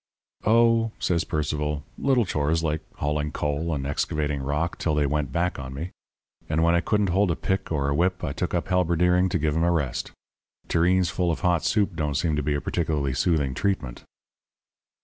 "'Oh,' says Sir Percival, 'little chores like hauling coal and excavating rock till they went back on me. And when I couldn't hold a pick or a whip I took up halberdiering to give 'em a rest. Tureens full of hot soup don't seem to be a particularly soothing treatment.'